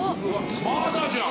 まだじゃん！